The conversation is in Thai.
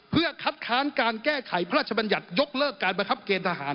เพื่อคัดค้านการแก้ไขพระราชบัญญัติยกเลิกการบังคับเกณฑหาร